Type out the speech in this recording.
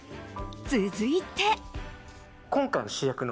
続いて。